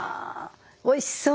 おいしそう。